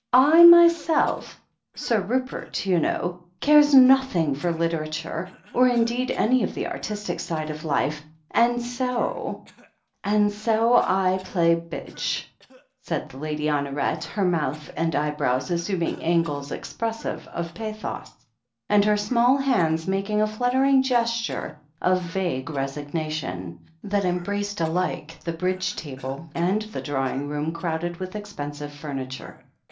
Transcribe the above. ... I myself ... Sir Rupert, you know — cares nothing for literature, or indeed any of the artistic side of life, and so ... and so I play B'idge," said Lady Honoret, her mouth and eyebrows assuming angles ex pressive of pathos, and her small hands making a fluttering gesture of vague resignation, that embraced alike the Bridge table and the drawing room crowded with expensive furniture.